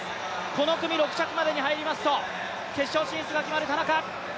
この組６着までに入りますと決勝進出が決まる田中。